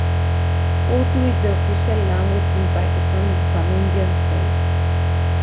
Urdu is the official language in Pakistan and some Indian states.